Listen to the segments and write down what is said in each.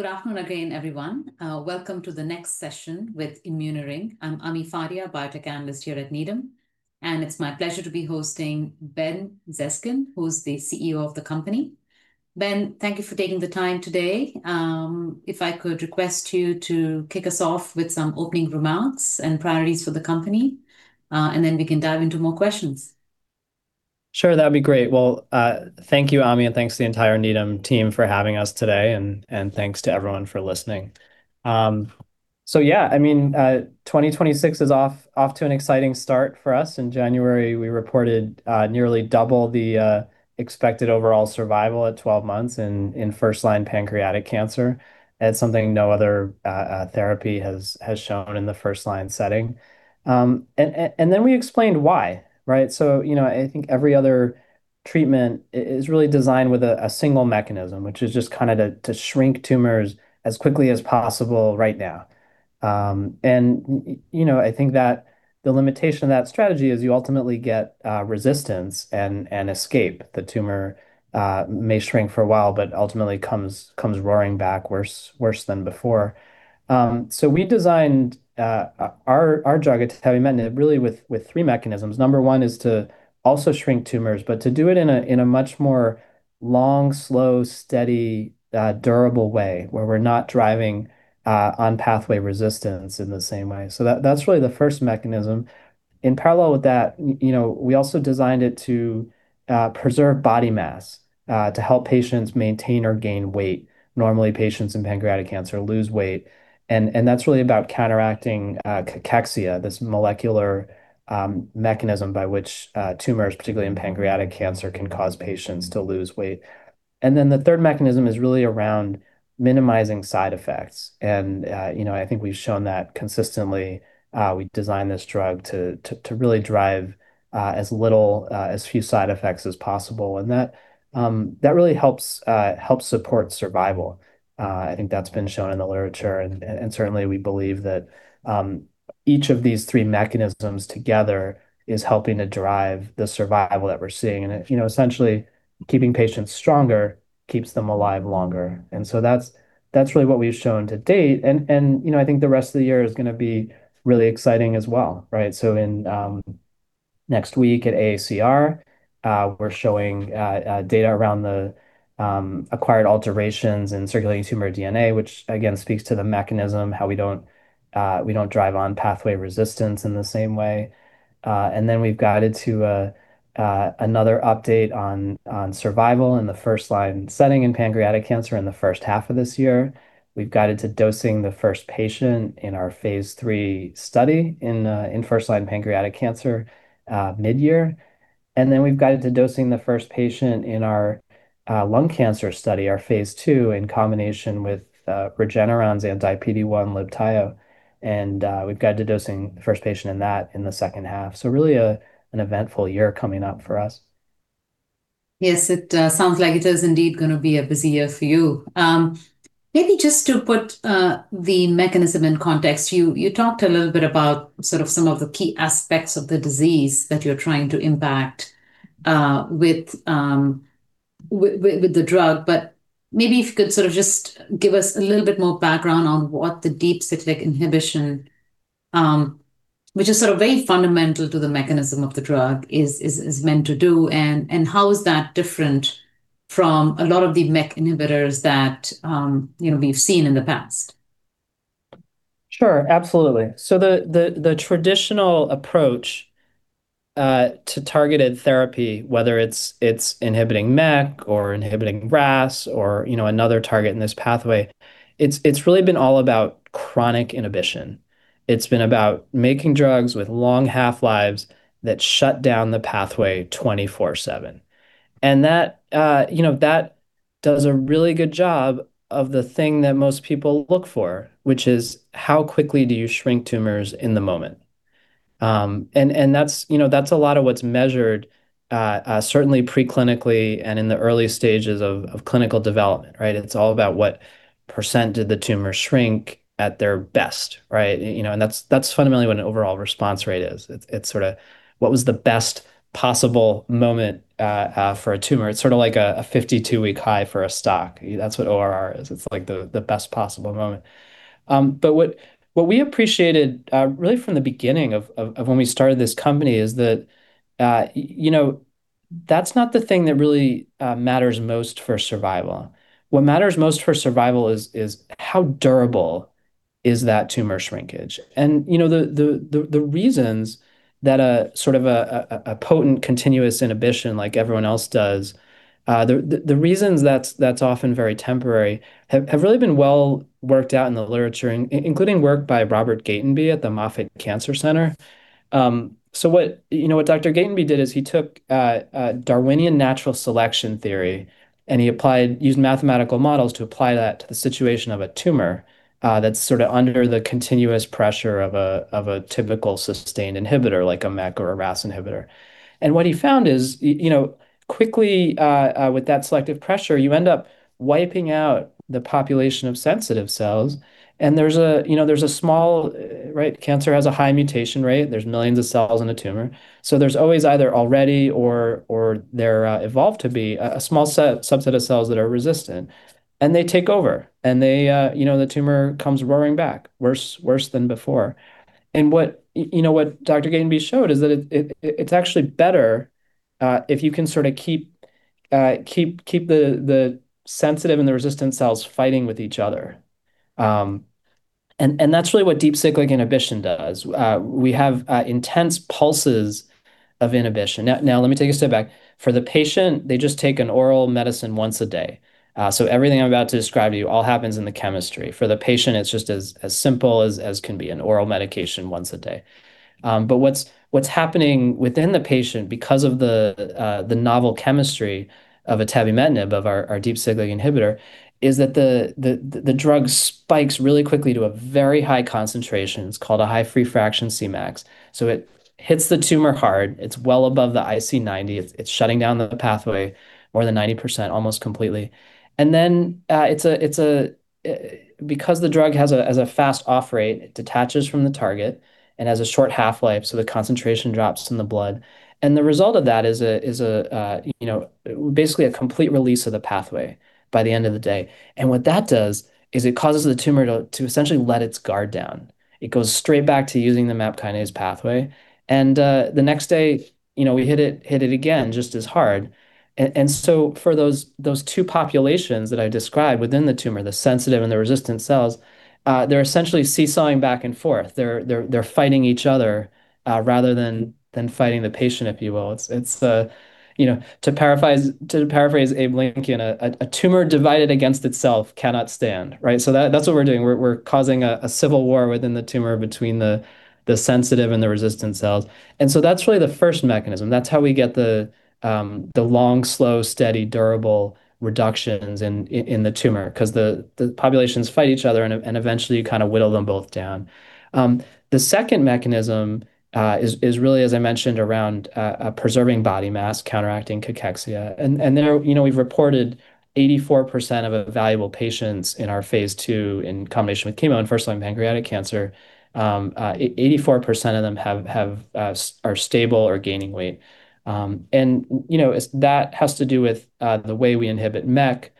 Good afternoon again, everyone. Welcome to the next session with Immuneering. I'm Ami Fadia, Biotech Analyst here at Needham, and it's my pleasure to be hosting Benjamin J. Zeskind, who is the CEO of the company. Benjamin, thank you for taking the time today. If I could request you to kick us off with some opening remarks and priorities for the company, and then we can dive into more questions. Sure, that'd be great. Well, thank you, Ami, and thanks to the entire Needham team for having us today, and thanks to everyone for listening. 2026 is off to an exciting start for us. In January, we reported nearly double the expected overall survival at 12 months in first-line pancreatic cancer. That's something no other therapy has shown in the first-line setting. We explained why, right? I think every other treatment is really designed with a single mechanism, which is just to shrink tumors as quickly as possible right now. I think that the limitation of that strategy is you ultimately get resistance and escape. The tumor may shrink for a while, but ultimately comes roaring back worse than before. We designed our drug, atebimetinib, really with three mechanisms. Number one is to also shrink tumors, but to do it in a much more long, slow, steady, durable way, where we're not driving on pathway resistance in the same way. That's really the first mechanism. In parallel with that, we also designed it to preserve body mass, to help patients maintain or gain weight. Normally, patients in pancreatic cancer lose weight, and that's really about counteracting cachexia, this molecular mechanism by which tumors, particularly in pancreatic cancer, can cause patients to lose weight. The third mechanism is really around minimizing side effects. I think we've shown that consistently. We designed this drug to really drive as few side effects as possible, and that really helps support survival. I think that's been shown in the literature, and certainly, we believe that each of these three mechanisms together is helping to drive the survival that we're seeing, and essentially keeping patients stronger keeps them alive longer. That's really what we've shown to date, and I think the rest of the year is going to be really exciting as well. Right? Next week at AACR, we're showing data around the acquired alterations in circulating tumor DNA, which again, speaks to the mechanism, how we don't drive on pathway resistance in the same way. We've guided to another update on survival in the first-line setting in pancreatic cancer in the first half of this year. We've guided to dosing the first patient in our phase III study in first-line pancreatic cancer midyear. We've guided to dosing the first patient in our lung cancer study, our phase II, in combination with Regeneron's anti-PD-1 Libtayo, and we've guided to dosing the first patient in that in the second half. Really an eventful year coming up for us. Yes, it sounds like it is indeed going to be a busy year for you. Maybe just to put the mechanism in context, you talked a little bit about some of the key aspects of the disease that you're trying to impact with the drug, but maybe if you could just give us a little bit more background on what the Deep Cyclic Inhibition, which is very fundamental to the mechanism of the drug, is meant to do, and how is that different from a lot of the MEK inhibitors that we've seen in the past? Sure. Absolutely. The traditional approach to targeted therapy, whether it's inhibiting MEK or inhibiting RAS or another target in this pathway, it's really been all about chronic inhibition. It's been about making drugs with long half-lives that shut down the pathway 24/7. That does a really good job of the thing that most people look for, which is how quickly do you shrink tumors in the moment. That's a lot of what's measured, certainly pre-clinically and in the early stages of clinical development, right? It's all about what percentage did the tumor shrink at their best, right? That's fundamentally what an overall response rate is. It's sort of what was the best possible moment for a tumor. It's sort of like a 52-week high for a stock. That's what ORR is. It's like the best possible moment. What we appreciated, really from the beginning of when we started this company, is that that's not the thing that really matters most for survival. What matters most for survival is how durable is that tumor shrinkage. The reasons that a potent, continuous inhibition like everyone else does, the reasons that's often very temporary, have really been well worked out in the literature, including work by Robert Gatenby at the Moffitt Cancer Center. What Dr. Gatenby did is he took Darwinian natural selection theory, and he used mathematical models to apply that to the situation of a tumor that's sort of under the continuous pressure of a typical sustained inhibitor, like a MEK or a RAS inhibitor. What he found is, quickly, with that selective pressure, you end up wiping out the population of sensitive cells. Cancer has a high mutation rate. There's millions of cells in a tumor. There's always either already or they're evolved to be a small subset of cells that are resistant, and they take over, and the tumor comes roaring back worse than before. What Dr. Gatenby showed is that it's actually better if you can sort of keep the sensitive and the resistant cells fighting with each other. That's really what Deep Cyclic Inhibition does. We have intense pulses of inhibition. Now let me take a step back. For the patient, they just take an oral medicine once a day. Everything I'm about to describe to you all happens in the chemistry. For the patient, it's just as simple as can be, an oral medication once a day. What's happening within the patient, because of the novel chemistry of atebimetinib, of our Deep Cyclic Inhibitor, is that the drug spikes really quickly to a very high concentration. It's called a high free fraction Cmax. It hits the tumor hard. It's well above the IC90. It's shutting down the pathway more than 90%, almost completely. Because the drug has a fast off rate, it detaches from the target and has a short half-life, so the concentration drops in the blood. The result of that is basically a complete release of the pathway by the end of the day. What that does is it causes the tumor to essentially let its guard down. It goes straight back to using the MAP kinase pathway, and the next day, we hit it again just as hard. For those two populations that I described within the tumor, the sensitive and the resistant cells, they're essentially seesawing back and forth. They're fighting each other, rather than fighting the patient, if you will. To paraphrase Abraham Lincoln, "A tumor divided against itself cannot stand." Right? That's what we're doing. We're causing a civil war within the tumor between the sensitive and the resistant cells. That's really the first mechanism. That's how we get the long, slow, steady, durable reductions in the tumor, because the populations fight each other, and eventually you kind of whittle them both down. The second mechanism is really, as I mentioned, around preserving body mass, counteracting cachexia. There, we've reported 84% of evaluable patients in our phase II in combination with chemo and first-line pancreatic cancer. 84% of them are stable or gaining weight. That has to do with the way we inhibit MEK,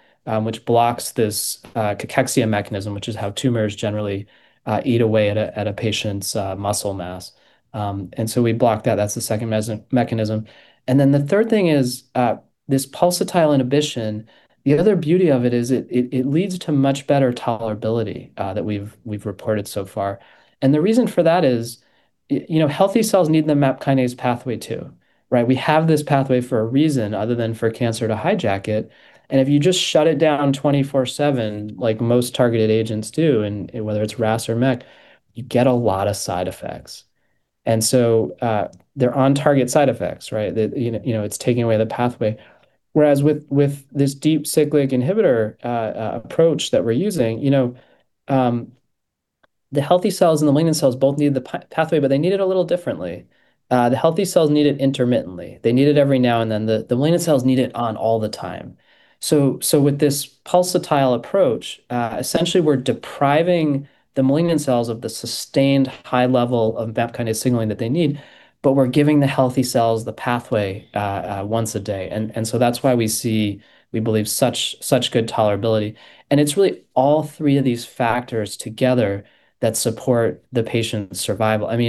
which blocks this cachexia mechanism, which is how tumors generally eat away at a patient's muscle mass. We block that. That's the second mechanism. The third thing is this pulsatile inhibition. The other beauty of it is it leads to much better tolerability that we've reported so far. The reason for that is healthy cells need the MAP kinase pathway, too, right? We have this pathway for a reason other than for cancer to hijack it. If you just shut it down 24/7, like most targeted agents do, and whether it's RAS or MEK, you get a lot of side effects. They're on-target side effects, right? It's taking away the pathway. Whereas with this Deep Cyclic Inhibitor approach that we're using, the healthy cells and the malignant cells both need the pathway, but they need it a little differently. The healthy cells need it intermittently. They need it every now and then. The malignant cells need it on all the time. With this pulsatile approach, essentially we're depriving the malignant cells of the sustained high level of that kind of signaling that they need, but we're giving the healthy cells the pathway once a day. That's why we see, we believe, such good tolerability. It's really all three of these factors together that support the patient's survival. If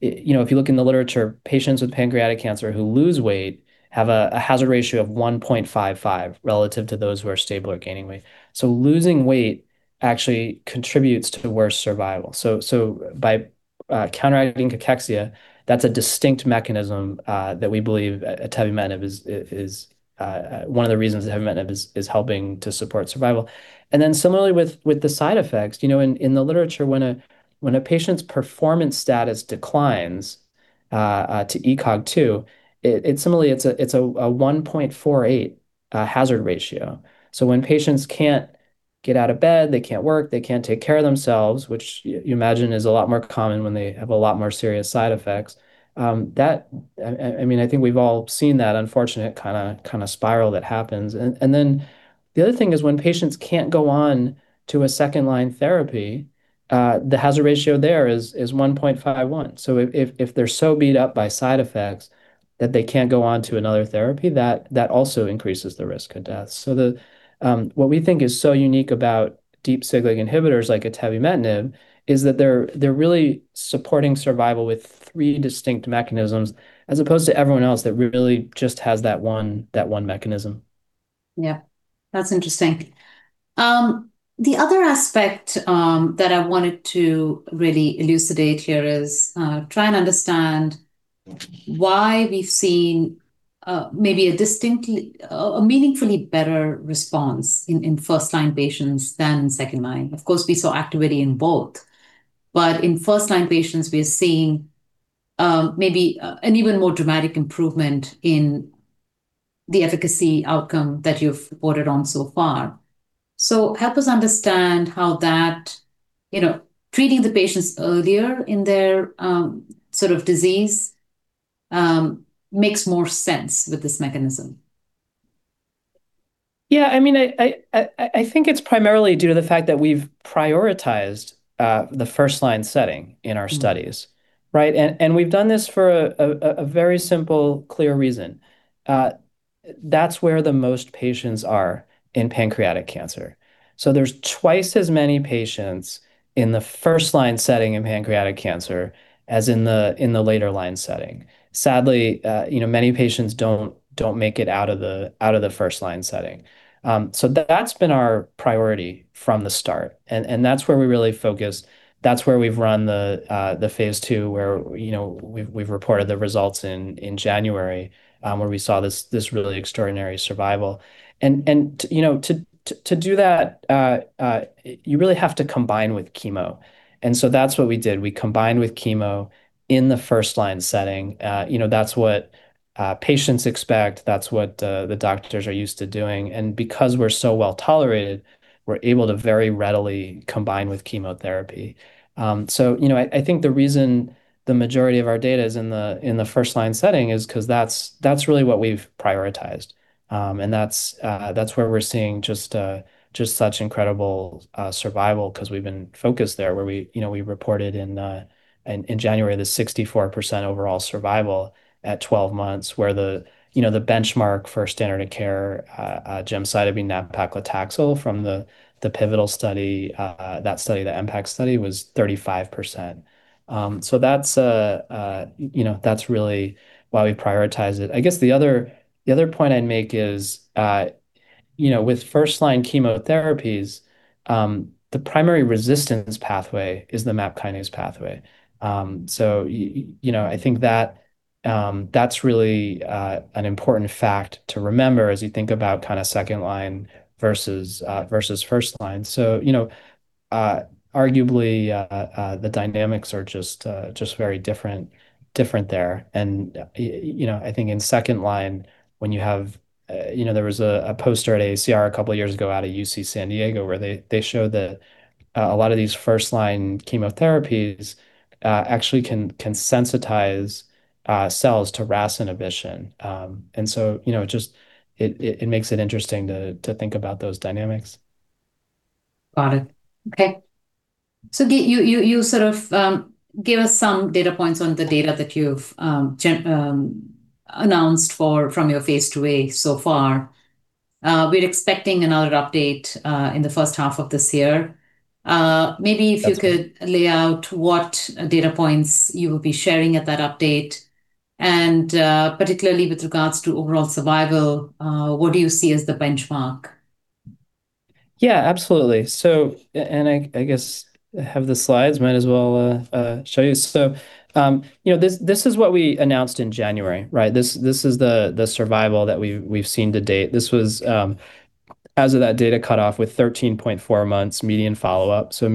you look in the literature, patients with pancreatic cancer who lose weight have a hazard ratio of 1.55 relative to those who are stable or gaining weight. Losing weight actually contributes to worse survival. By counteracting cachexia, that's a distinct mechanism that we believe one of the reasons atebimetinib is helping to support survival. Similarly with the side effects, in the literature, when a patient's performance status declines to ECOG 2, similarly, it's a 1.48 hazard ratio. When patients can't get out of bed, they can't work, they can't take care of themselves, which you imagine is a lot more common when they have a lot more serious side effects. I think we've all seen that unfortunate kind of spiral that happens. The other thing is, when patients can't go on to a second-line therapy, the hazard ratio there is 1.51. If they're so beat up by side effects that they can't go on to another therapy, that also increases the risk of death. What we think is so unique about Deep Cyclic Inhibitors like atebimetinib is that they're really supporting survival with three distinct mechanisms, as opposed to everyone else that really just has that one mechanism. Yeah. That's interesting. The other aspect that I wanted to really elucidate here is try and understand why we've seen maybe a meaningfully better response in first-line patients than second-line. Of course, we saw activity in both. In first-line patients, we are seeing maybe an even more dramatic improvement in the efficacy outcome that you've reported on so far. Help us understand how that treating the patients earlier in their sort of disease makes more sense with this mechanism. Yeah. I think it's primarily due to the fact that we've prioritized the first-line setting in our studies, right? We've done this for a very simple, clear reason. That's where the most patients are in pancreatic cancer. There's twice as many patients in the first-line setting in pancreatic cancer as in the later-line setting. Sadly, many patients don't make it out of the first-line setting. That's been our priority from the start. That's where we really focus, that's where we've run the phase II, where we've reported the results in January, where we saw this really extraordinary survival. To do that, you really have to combine with chemo. That's what we did. We combined with chemo in the first-line setting. That's what patients expect, that's what the doctors are used to doing. Because we're so well-tolerated, we're able to very readily combine with chemotherapy. I think the reason the majority of our data is in the first-line setting is because that's really what we've prioritized. That's where we're seeing just such incredible survival, because we've been focused there, where we reported in January the 64% overall survival at 12 months, where the benchmark for standard of care, gemcitabine/nab-paclitaxel from the pivotal study, that study, the MPACT study, was 35%. That's really why we prioritize it. I guess the other point I'd make is, with first-line chemotherapies, the primary resistance pathway is the MAP kinase pathway. I think that's really an important fact to remember as you think about second line versus first line. Arguably, the dynamics are just very different there. I think in second line, there was a poster at AACR a couple of years ago out of UC San Diego, where they showed that a lot of these first-line chemotherapies actually can sensitize cells to RAS inhibition. It makes it interesting to think about those dynamics. Got it. Okay. You sort of gave us some data points on the data that you've announced from your phase II-A so far. We're expecting another update in the first half of this year. Maybe if you could lay out what data points you will be sharing at that update, and particularly with regards to overall survival, what do you see as the benchmark? Yeah, absolutely. I guess I have the slides, might as well show you. This is what we announced in January, right? This is the survival that we've seen to date. This was, as of that data cutoff, with 13.4 months median follow-up, so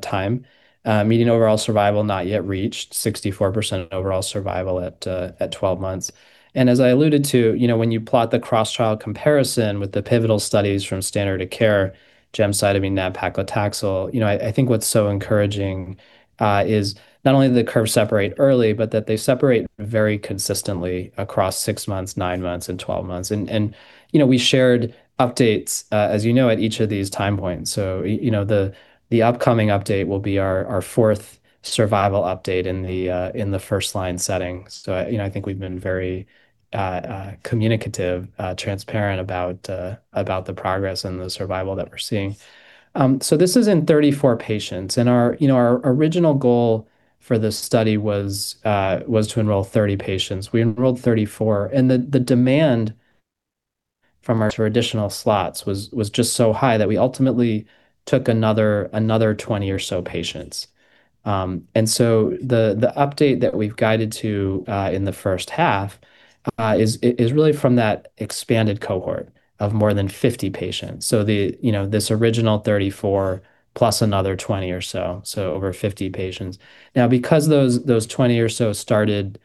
time. Median overall survival not yet reached. 64% overall survival at 12 months. As I alluded to, when you plot the cross-trial comparison with the pivotal studies from standard of care, gemcitabine/nab-paclitaxel, I think what's so encouraging is not only do the curves separate early, but that they separate very consistently across six months, nine months, and 12 months. We shared updates, as you know, at each of these time points. The upcoming update will be our fourth survival update in the first-line setting. I think we've been very communicative, transparent about the progress and the survival that we're seeing. This is in 34 patients, and our original goal for this study was to enroll 30 patients. We enrolled 34. The demand from our sort of additional slots was just so high that we ultimately took another 20 or so patients. The update that we've guided to in the first half is really from that expanded cohort of more than 50 patients. This original 34 plus another 20 or so over 50 patients. Now, because those 20 or so started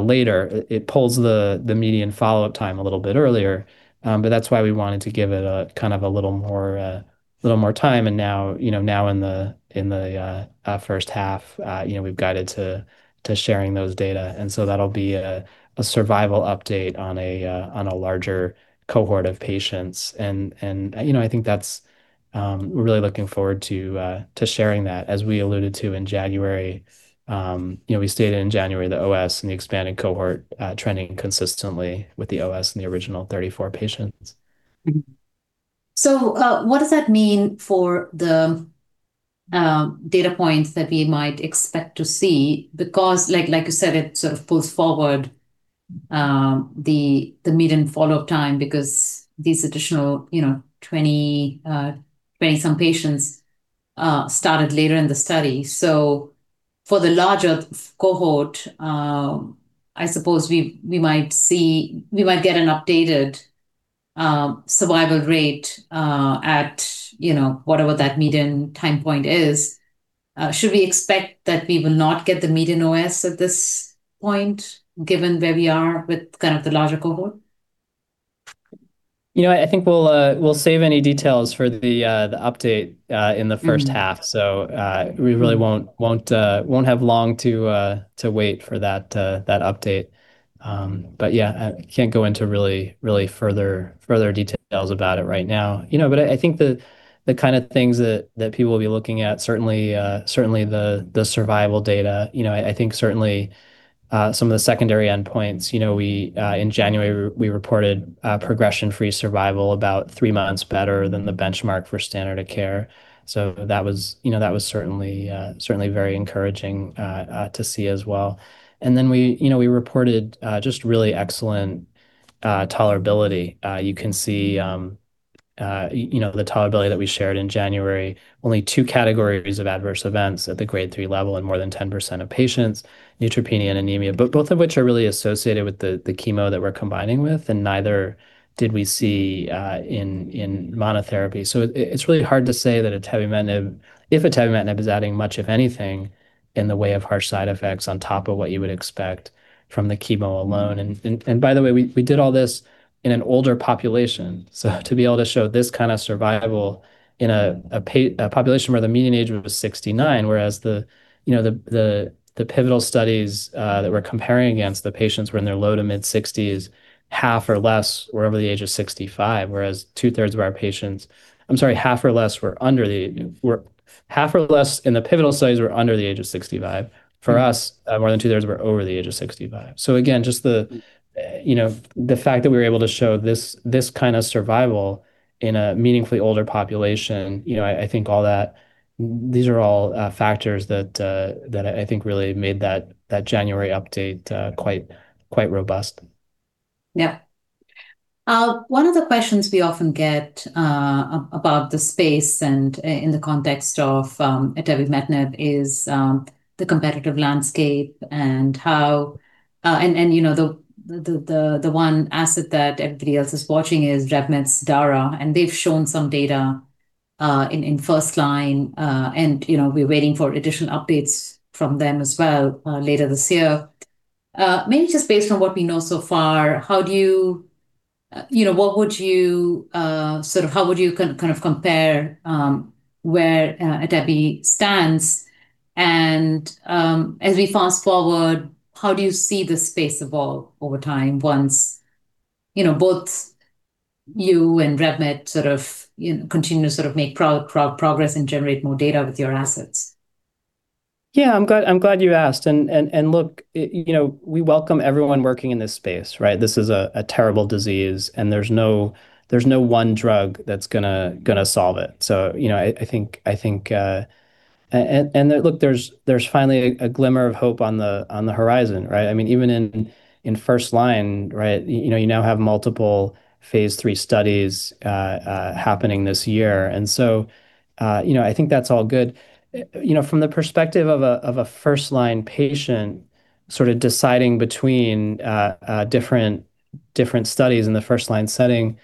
later, it pulls the median follow-up time a little bit earlier. That's why we wanted to give it a kind of a little more time, and now in the first half, we've guided to sharing those data. That'll be a survival update on a larger cohort of patients. We're really looking forward to sharing that. As we alluded to in January, the OS in the expanded cohort trending consistently with the OS in the original 34 patients. What does that mean for the data points that we might expect to see, because like you said, it sort of pulls forward the median follow-up time because these additional 20-some patients started later in the study? For the larger cohort, I suppose we might get an updated survival rate at whatever that median time point is. Should we expect that we will not get the median OS at this point, given where we are with kind of the larger cohort? I think we'll save any details for the update in the first half. We really won't have long to wait for that update. Yeah, I can't go into really further details about it right now. I think the kind of things that people will be looking at, certainly the survival data, I think certainly some of the secondary endpoints. In January, we reported progression-free survival about three months better than the benchmark for standard of care. That was certainly very encouraging to see as well. We reported just really excellent tolerability. You can see the tolerability that we shared in January, only two categories of adverse events at the Grade three level in more than 10% of patients, neutropenia and anemia, both of which are really associated with the chemo that we're combining with, and neither did we see in monotherapy. It's really hard to say that atebimetinib, if atebimetinib is adding much of anything in the way of harsh side effects on top of what you would expect from the chemo alone. By the way, we did all this in an older population, to be able to show this kind of survival in a population where the median age was 69, whereas the pivotal studies that we're comparing against, the patients were in their low to mid-60s, half or less were over the age of 65. I'm sorry, half or less in the pivotal studies were under the age of 65. For us, more than two-thirds were over the age of 65. Again, just the fact that we were able to show this kind of survival in a meaningfully older population, I think these are all factors that I think really made that January update quite robust. Yeah. One of the questions we often get about the space and in the context of atebimetinib is the competitive landscape. The one asset that everybody else is watching is Revolution Medicines data. They've shown some data in first-line, and we're waiting for additional updates from them as well later this year. Maybe just based on what we know so far, how would you compare where atebimetinib stands? As we fast-forward, how do you see this space evolve over time once both you and Revolution Medicines continue to make progress and generate more data with your assets? Yeah, I'm glad you asked. Look, we welcome everyone working in this space, right? This is a terrible disease, and there's no one drug that's going to solve it. Look, there's finally a glimmer of hope on the horizon, right? Even in first line, you now have multiple phase III studies happening this year. I think that's all good. From the perspective of a first-line patient deciding between different studies in the first-line setting,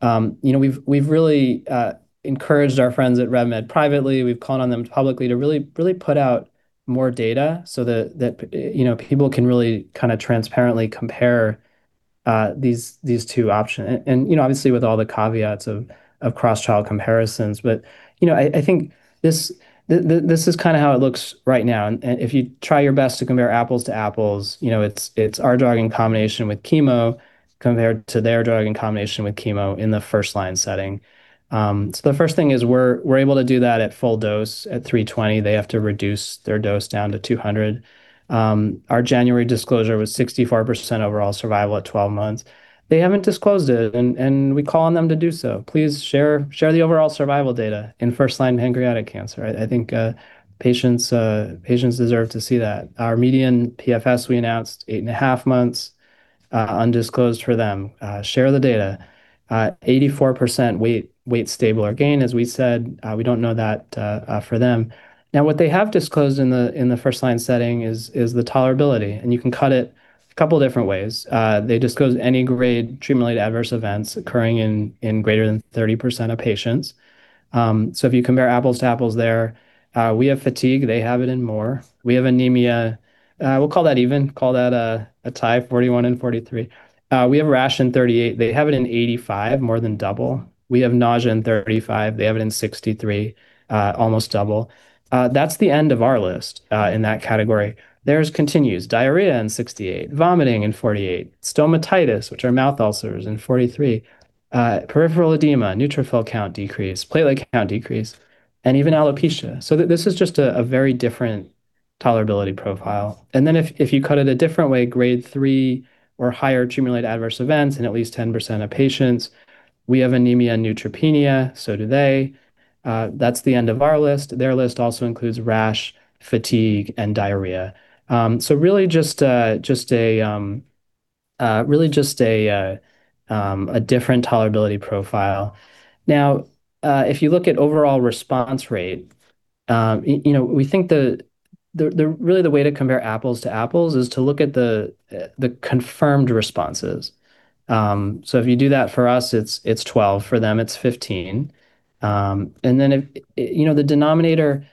we've really encouraged our friends at Revolution Medicines privately, we've called on them publicly to really put out more data so that people can really kind of transparently compare these two options. Obviously, with all the caveats of cross-trial comparisons. I think this is kind of how it looks right now. If you try your best to compare apples to apples, it's our drug in combination with chemo compared to their drug in combination with chemo in the first-line setting. The first thing is we're able to do that at full dose, at 320. They have to reduce their dose down to 200. Our January disclosure was 64% overall survival at 12 months. They haven't disclosed it, and we call on them to do so. Please share the overall survival data in first-line pancreatic cancer. I think patients deserve to see that. Our median PFS, we announced eight and a half months, undisclosed for them. Share the data. 84% weight stable or gain, as we said. We don't know that for them. Now, what they have disclosed in the first-line setting is the tolerability, and you can cut it a couple of different ways. They disclose any grade treatment-related adverse events occurring in greater than 30% of patients. So if you compare apples to apples there, we have fatigue, they have it in more. We have anemia. We'll call that even, call that a tie, 41 and 43. We have a rash in 38. They have it in 85, more than double. We have nausea in 35, they have it in 63, almost double. That's the end of our list in that category. Theirs continues. Diarrhea in 68, vomiting in 48, stomatitis, which are mouth ulcers, in 43, peripheral edema, neutrophil count decrease, platelet count decrease, and even alopecia. So this is just a very different tolerability profile. And then if you cut it a different way, Grade three or higher treatment-related adverse events in at least 10% of patients. We have anemia and neutropenia, so do they. That's the end of our list. Their list also includes rash, fatigue, and diarrhea. So really just a different tolerability profile. Now, if you look at overall response rate, we think that really the way to compare apples to apples is to look at the confirmed responses. So if you do that for us, it's 12. For them, it's 15. And then the denominator,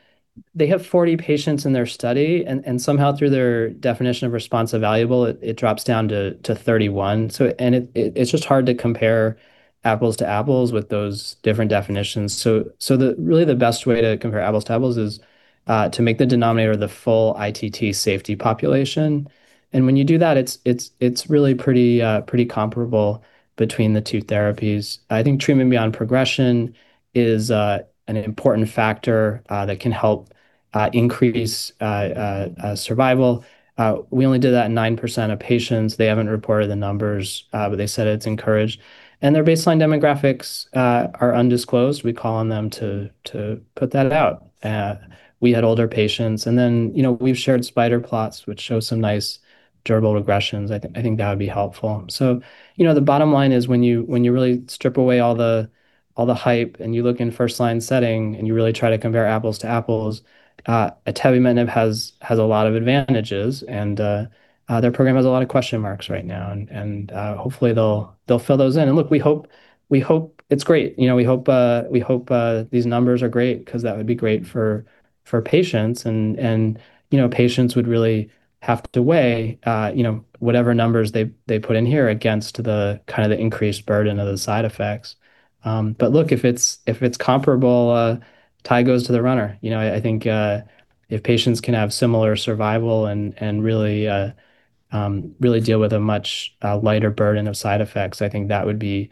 they have 40 patients in their study, and somehow through their definition of response-evaluable, it drops down to 31. So, and it's just hard to compare apples to apples with those different definitions. So, really the best way to compare apples to apples is to make the denominator the full ITT safety population. And when you do that, it's really pretty comparable between the two therapies. I think treatment beyond progression is an important factor that can help increase survival. We only did that in 9% of patients. They haven't reported the numbers, but they said it's encouraged. Their baseline demographics are undisclosed. We call on them to put that out. We had older patients, and then, we've shared spider plots, which show some nice durable regressions. I think that would be helpful. The bottom line is when you really strip away all the hype, and you look in first-line setting, and you really try to compare apples to apples, atebimetinib has a lot of advantages, and their program has a lot of question marks right now. Hopefully they'll fill those in. Look, we hope it's great. We hope these numbers are great because that would be great for patients. Patients would really have to weigh whatever numbers they put in here against the increased burden of the side effects. Look, if it's comparable, tie goes to the runner. I think if patients can have similar survival and really deal with a much lighter burden of side effects, I think that would be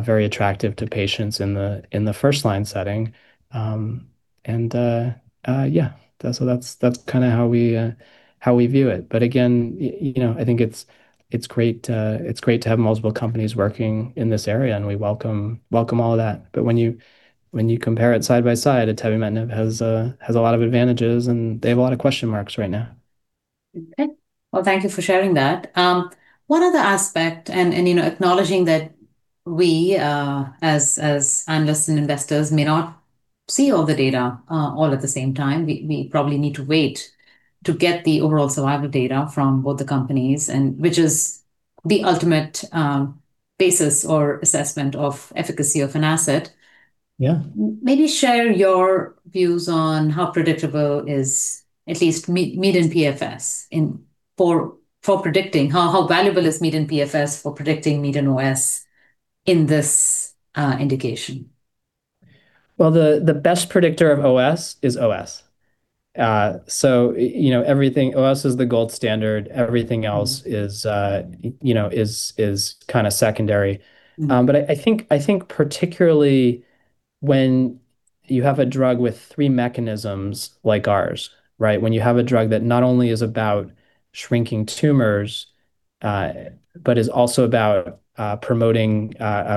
very attractive to patients in the first-line setting. Yeah. That's how we view it. Again, I think it's great to have multiple companies working in this area, and we welcome all of that. When you compare it side by side, atebimetinib has a lot of advantages, and they have a lot of question marks right now. Okay. Well, thank you for sharing that. One other aspect, and acknowledging that we, as analysts and investors, may not see all the data all at the same time, we probably need to wait to get the overall survival data from both the companies, and which is the ultimate basis or assessment of efficacy of an asset. Yeah. How valuable is median PFS for predicting median OS in this indication? Well, the best predictor of OS is OS. OS is the gold standard. Everything else is kind of secondary. I think particularly when you have a drug with three mechanisms like ours, right? When you have a drug that not only is about shrinking tumors, but is also about promoting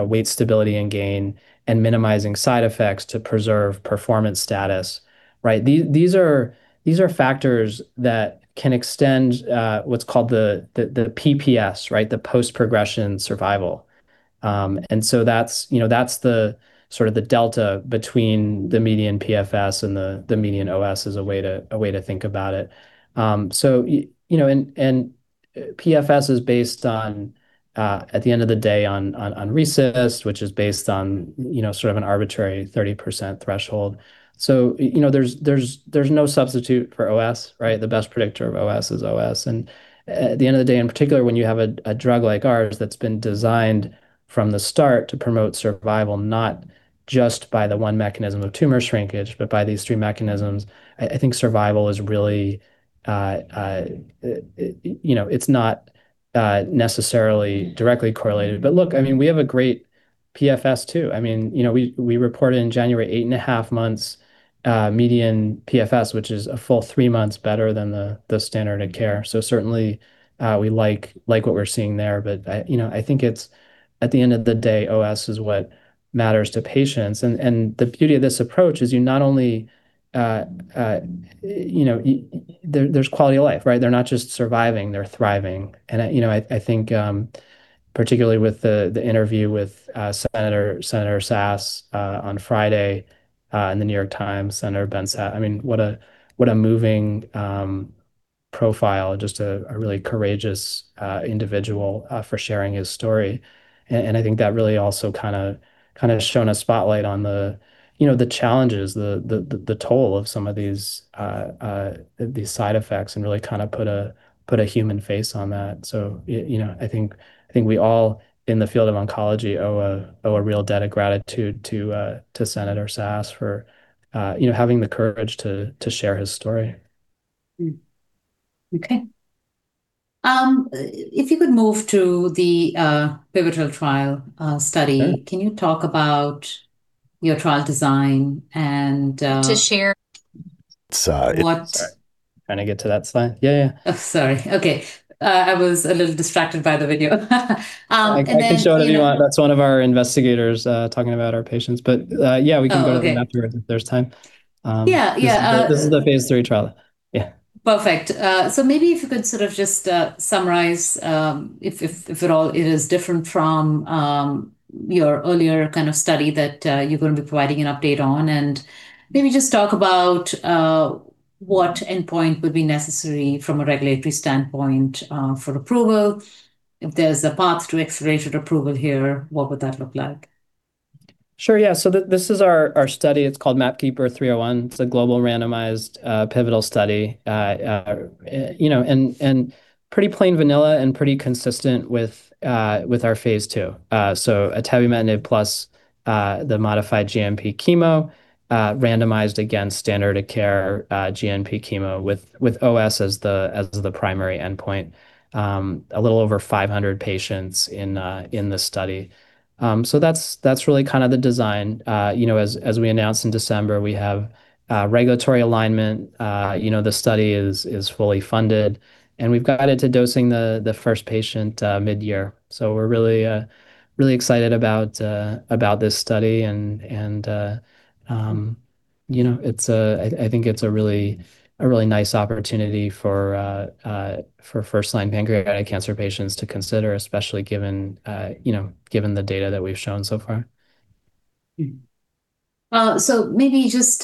weight stability and gain, and minimizing side effects to preserve performance status, right? These are factors that can extend what's called the PPS, right, the post-progression survival. That's the sort of the delta between the median PFS and the median OS, is a way to think about it. PFS is based on, at the end of the day, on RECIST, which is based on sort of an arbitrary 30% threshold. There's no substitute for OS, right? The best predictor of OS is OS. At the end of the day, in particular, when you have a drug like ours that's been designed from the start to promote survival, not just by the one mechanism of tumor shrinkage, but by these three mechanisms, I think survival is not necessarily directly correlated. Look, I mean, we have a great PFS, too. I mean, we reported in January eight and a half months, median PFS, which is a full three months better than the standard of care. Certainly, we like what we're seeing there. I think, at the end of the day, OS is what matters to patients. The beauty of this approach is there's quality of life, right? They're not just surviving, they're thriving. I think, particularly with the interview with Ben Sasse on Friday in The New York Times, Senator Ben Sasse, I mean, what a moving profile, just a really courageous individual for sharing his story. I think that really also kind of shown a spotlight on the challenges, the toll of some of these side effects and really kind of put a human face on that. I think we all in the field of oncology owe a real debt of gratitude to Ben Sasse for having the courage to share his story. Okay. If you could move to the pivotal trial study. Sure. Can you talk about your trial design? To share. What- Trying to get to that slide? Yeah, yeah. Oh, sorry. Okay. I was a little distracted by the video. I can show it if you want. That's one of our investigators talking about our patients. Yeah, we can go to that. Oh, okay. Figure if there's time. Yeah, yeah. This is the phase III trial. Yeah. Perfect. Maybe if you could sort of just summarize, if at all, it is different from your earlier kind of study that you're going to be providing an update on, and maybe just talk about what endpoint would be necessary from a regulatory standpoint for approval. If there's a path to accelerated approval here, what would that look like? Sure. Yeah. This is our study. It's called MAPKeeper-301. It's a global randomized pivotal study, and pretty plain vanilla and pretty consistent with our phase II. Atebimetinib plus the modified GNP chemotherapy randomized against standard of care GNP chemotherapy with OS as the primary endpoint. A little over 500 patients in the study. That's really kind of the design. As we announced in December, we have regulatory alignment. The study is fully funded, and we've guided to dosing the first patient mid-year. We're really excited about this study and I think it's a really nice opportunity for first-line pancreatic cancer patients to consider, especially given the data that we've shown so far. Maybe just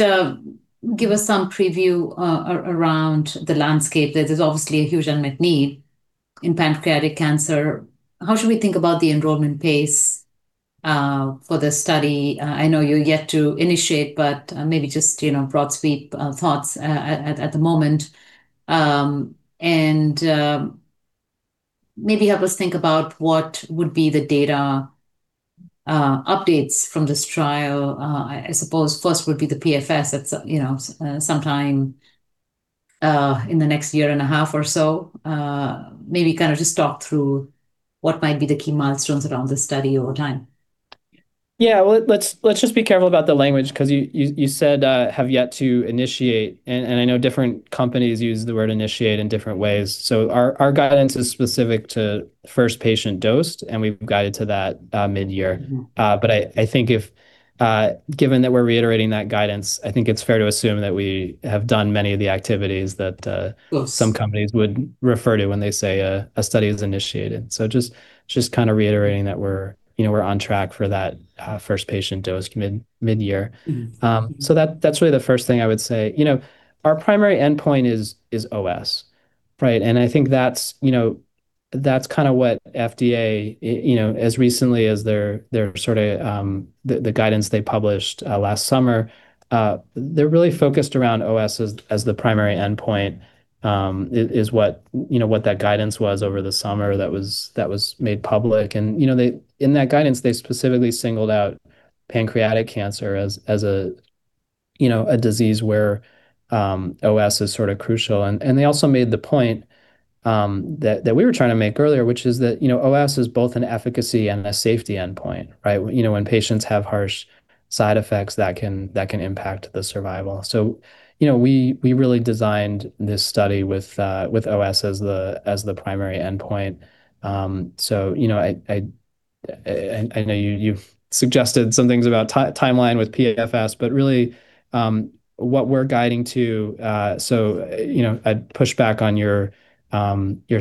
give us some preview around the landscape. There is obviously a huge unmet need in pancreatic cancer. How should we think about the enrollment pace for the study? I know you're yet to initiate, but maybe just broad sweep thoughts at the moment. Maybe help us think about what would be the data updates from this trial. I suppose first would be the PFS at sometime in the next year and a half or so. Maybe kind of just talk through what might be the key milestones around this study over time. Yeah. Well, let's just be careful about the language, because you said, "have yet to initiate," and I know different companies use the word initiate in different ways. Our guidance is specific to first patient dosed, and we've guided to that mid-year. I think given that we're reiterating that guidance, I think it's fair to assume that we have done many of the activities. Of course. Some companies would refer to when they say a study is initiated. We are just kind of reiterating that we're on track for that first patient dose mid-year. Mm-hmm. That's really the first thing I would say. Our primary endpoint is OS, right? I think that's kind of what FDA, as recently as the guidance they published last summer, they're really focused around OS as the primary endpoint, is what that guidance was over the summer that was made public. In that guidance, they specifically singled out pancreatic cancer as a disease where OS is sort of crucial. They also made the point that we were trying to make earlier, which is that OS is both an efficacy and a safety endpoint, right? When patients have harsh side effects, that can impact the survival. We really designed this study with OS as the primary endpoint. I know you've suggested some things about timeline with PFS. I'd push back on your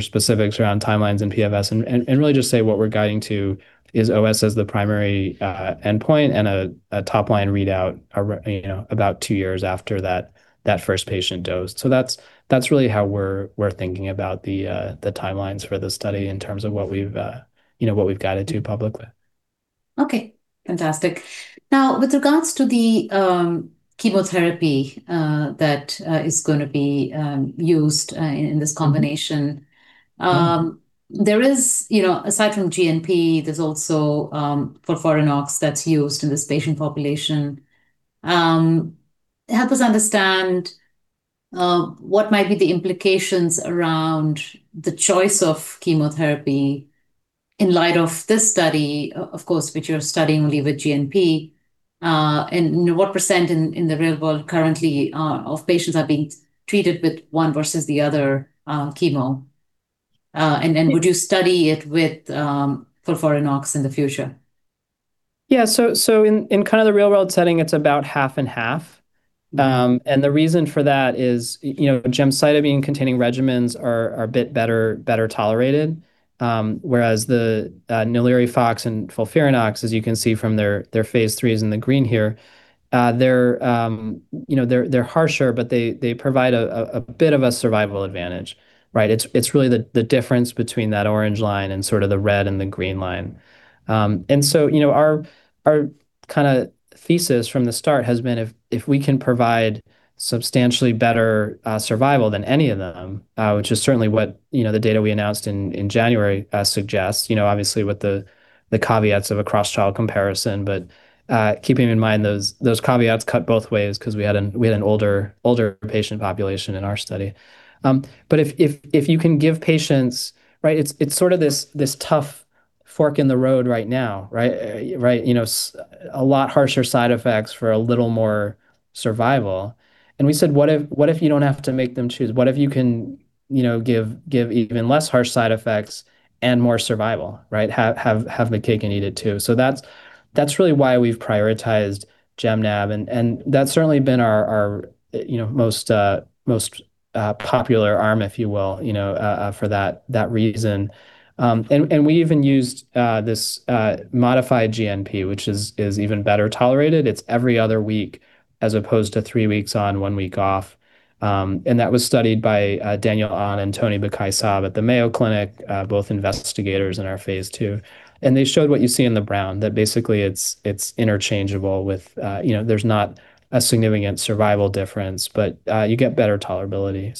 specifics around timelines and PFS and really just say what we're guiding to is OS as the primary endpoint and a top-line readout about two years after that first patient dose. That's really how we're thinking about the timelines for the study in terms of what we've guided to publicly. Okay. Fantastic. Now, with regards to the chemotherapy that is going to be used in this combination, aside from GNP, there's also FOLFIRINOX that's used in this patient population. Help us understand what might be the implications around the choice of chemotherapy in light of this study, of course, which you're studying only with GNP. What percent in the real world currently of patients are being treated with one versus the other chemo? Would you study it with FOLFIRINOX in the future? Yeah. In kind of the real-world setting, it's about 50/50. The reason for that is gemcitabine-containing regimens are a bit better tolerated, whereas the NALIRIFOX and FOLFIRINOX, as you can see from their phase IIIs in the green here, they're harsher, but they provide a bit of a survival advantage, right? It's really the difference between that orange line and sort of the red and the green line. Our thesis from the start has been if we can provide substantially better survival than any of them, which is certainly what the data we announced in January suggests, obviously with the caveats of a cross-trial comparison. Keeping in mind, those caveats cut both ways because we had an older patient population in our study. It's sort of this tough fork in the road right now, right? A lot harsher side effects for a little more survival. We said, "What if you don't have to make them choose? What if you can give even less harsh side effects and more survival, right? Have the cake and eat it, too." That's really why we've prioritized gemcitabine/nab-paclitaxel, and that's certainly been our most popular arm, if you will, for that reason. We even used this modified GNP, which is even better tolerated. It's every other week as opposed to three weeks on, one week off. That was studied by Daniel H. Ahn and Tanios Bekaii-Saab at the Mayo Clinic, both investigators in our phase II. They showed what you see in the brown, that basically, there's not a significant survival difference, but you get better tolerability.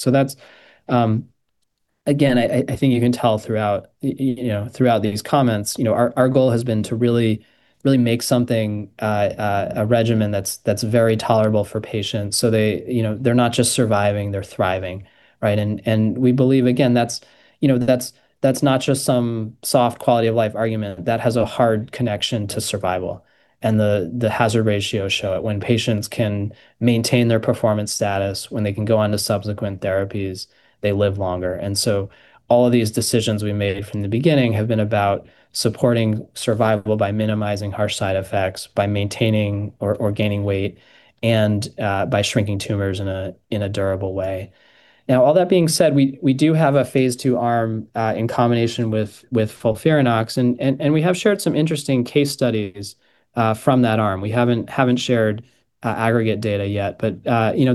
Again, I think you can tell throughout these comments, our goal has been to really make something, a regimen that's very tolerable for patients. They're not just surviving, they're thriving. Right? We believe, again, that's not just some soft quality of life argument. That has a hard connection to survival. The hazard ratios show it. When patients can maintain their performance status, when they can go on to subsequent therapies, they live longer. All of these decisions we made from the beginning have been about supporting survival by minimizing harsh side effects, by maintaining or gaining weight, and by shrinking tumors in a durable way. Now, all that being said, we do have a phase II arm in combination with FOLFIRINOX, and we have shared some interesting case studies from that arm. We haven't shared aggregate data yet, but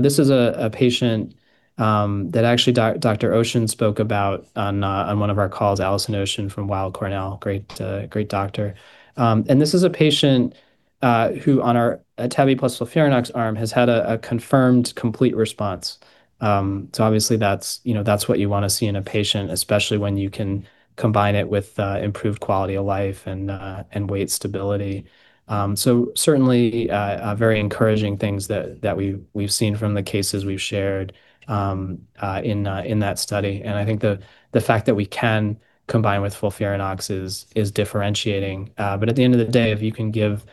this is a patient that actually Dr. Ocean spoke about on one of our calls, Allyson J. Ocean from Weill Cornell, great doctor. This is a patient who on our atebi plus FOLFIRINOX arm has had a confirmed complete response. Obviously that's what you want to see in a patient, especially when you can combine it with improved quality of life and weight stability. Certainly, very encouraging things that we've seen from the cases we've shared in that study. I think the fact that we can combine with FOLFIRINOX is differentiating. At the end of the day, if you can give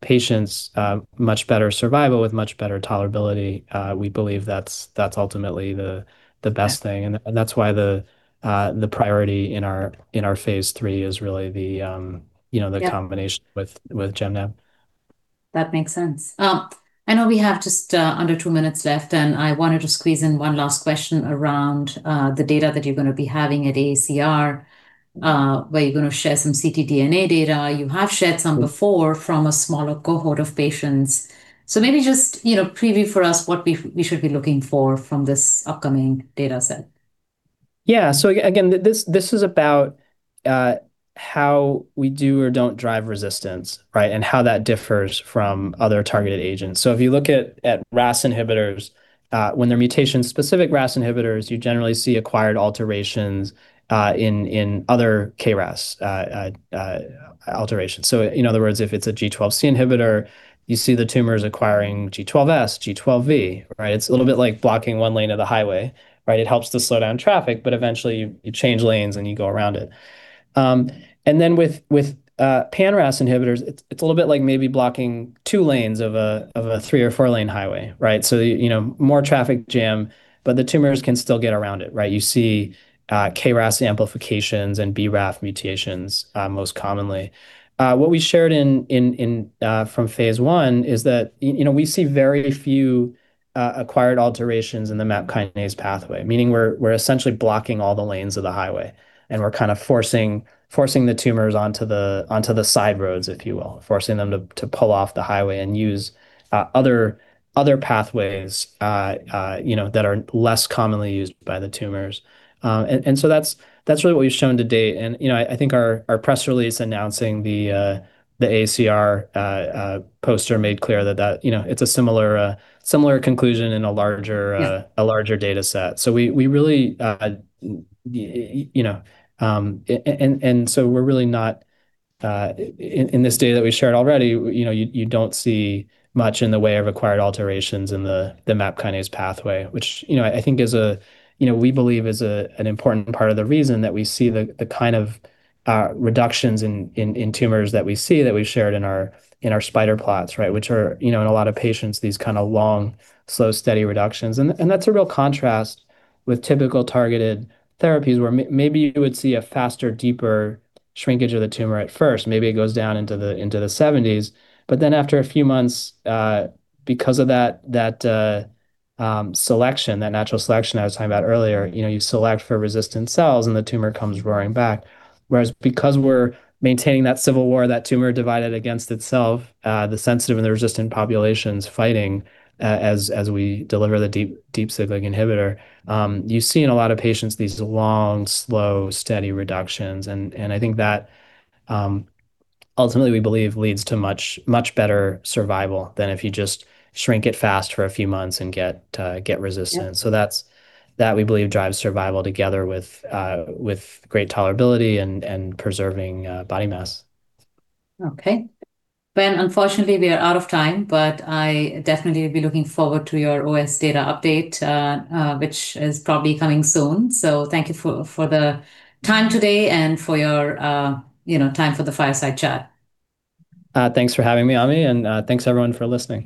patients much better survival with much better tolerability, we believe that's ultimately the best thing. Yeah Combination with gemcitabine/nab-paclitaxel. That makes sense. I know we have just under two minutes left, and I wanted to squeeze in one last question around the data that you're going to be having at AACR, where you're going to share some ctDNA data. You have shared some before from a smaller cohort of patients. Maybe just preview for us what we should be looking for from this upcoming data set. Yeah. Again, this is about how we do or don't drive resistance, right? How that differs from other targeted agents. If you look at RAS inhibitors, when they're mutation-specific RAS inhibitors, you generally see acquired alterations in other KRAS alterations. In other words, if it's a G12C inhibitor, you see the tumors acquiring G12S, G12V, right? It's a little bit like blocking one lane of the highway. It helps to slow down traffic, but eventually you change lanes, and you go around it. With pan-RAS inhibitors, it's a little bit like maybe blocking two lanes of a three or four-lane highway. Right? More traffic jam, but the tumors can still get around it. You see KRAS amplifications and BRAF mutations most commonly. What we shared from phase I is that we see very few acquired alterations in the MAP kinase pathway, meaning we're essentially blocking all the lanes of the highway, and we're kind of forcing the tumors onto the side roads, if you will, forcing them to pull off the highway and use other pathways that are less commonly used by the tumors. That's really what we've shown to date, and I think our press release announcing the AACR poster made clear that it's a similar conclusion. Yeah Data set. In this data that we shared already, you don't see much in the way of acquired alterations in the MAP kinase pathway, which we believe is an important part of the reason that we see the kind of reductions in tumors that we see, that we've shared in our spider plots, which are in a lot of patients, these kind of long, slow, steady reductions. That's a real contrast with typical targeted therapies, where maybe you would see a faster, deeper shrinkage of the tumor at first. Maybe it goes down into the 70s. After a few months, because of that selection, that natural selection I was talking about earlier, you select for resistant cells, and the tumor comes roaring back. Whereas because we're maintaining that civil war, that tumor divided against itself, the sensitive and the resistant populations fighting as we deliver the deep cyclic inhibitor, you see in a lot of patients these long, slow, steady reductions, and I think that ultimately, we believe, leads to much better survival than if you just shrink it fast for a few months and get resistance. Yeah. That we believe drives survival together with great tolerability and preserving body mass. Okay. Benjamin, unfortunately, we are out of time, but I definitely will be looking forward to your OS data update, which is probably coming soon. Thank you for the time today and for your time for the Fireside Chat. Thanks for having me, Ami, and thanks everyone for listening.